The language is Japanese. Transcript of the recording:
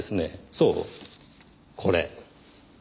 そうこれ。